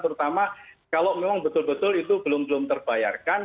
terutama kalau memang betul betul itu belum belum terbayarkan